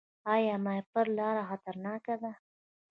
آیا د ماهیپر لاره خطرناکه ده؟